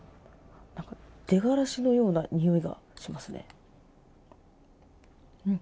出がらしのようなにおいがしますね。